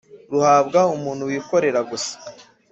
ruhabwa umuntu wikorera gusa